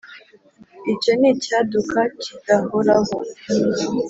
Icyo ni icyaduka kidahoraho!"